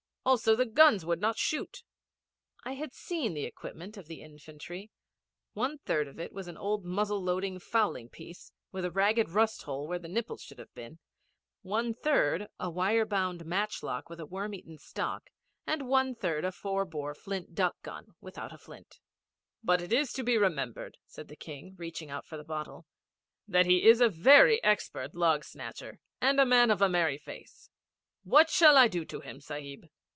Also the guns would not shoot.' I had seen the equipment of the infantry. One third of it was an old muzzle loading fowling piece, with a ragged rust hole where the nipples should have been, one third a wire bound match lock with a worm eaten stock, and one third a four bore flint duck gun without a flint. 'But it is to be remembered,' said the King, reaching out for the bottle, 'that he is a very expert log snatcher and a man of a merry face. What shall I do to him, Sahib?'